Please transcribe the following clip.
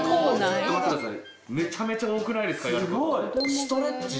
ちょっと待って下さい。